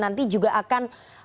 nanti juga akan